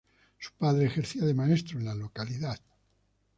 Su padre ejercía de maestro en la localidad.